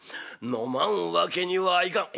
飲まんわけにはいかん」。